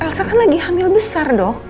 elsa kan lagi hamil besar dok